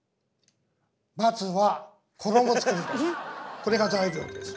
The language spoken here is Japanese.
これが材料です。